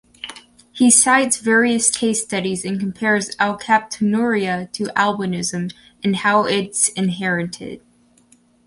He cites various case studies and compares alkaptonuria to albinism in how it's inherited.